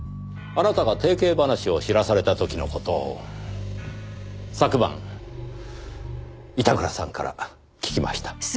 あなたが提携話を知らされた時の事を昨晩板倉さんから聞きました。